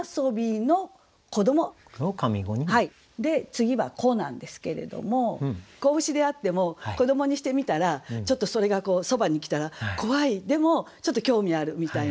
次は「子」なんですけれども仔牛であっても子どもにしてみたらちょっとそれがそばに来たら怖いでもちょっと興味あるみたいな。